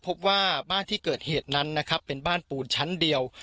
พบว่าบ้านที่เกิดเหตุนั้นนะครับเป็นบ้านปูนชั้นเดียว